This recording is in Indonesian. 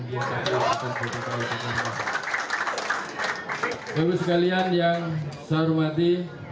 bapak ibu sekalian yang saya hormati